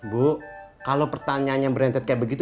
bu kalau pertanyaannya berentet kayak begitu